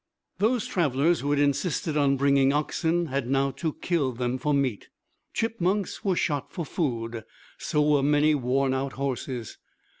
Those travellers who had insisted on bringing oxen had now to kill them for meat. Chipmunks were shot for food. So were many worn out horses.